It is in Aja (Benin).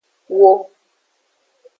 Wo.